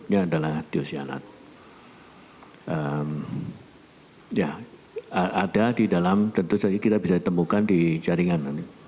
ya ada di dalam tentu saja kita bisa temukan di jaringan